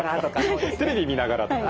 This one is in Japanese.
テレビ見ながらとか。